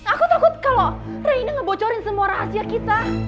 aku takut kalo raina ngebocorin semua rahasia kita